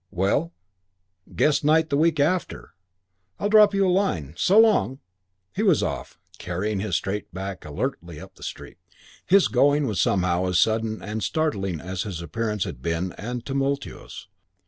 Well, guest night the week after. I'll drop you a line. So long." He was off, carrying his straight back alertly up the street. VII His going was somehow as sudden and startling as his appearance had been sudden and tumultuous.